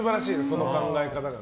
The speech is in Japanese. その考え方が。